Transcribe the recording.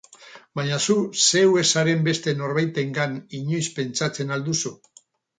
Baina zu zeu ez zaren beste norbaitengan inoiz pentsatzen al duzu?